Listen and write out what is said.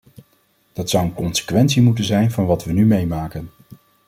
Dat zou een consequentie moeten zijn van wat we nu meemaken.